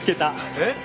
えっ？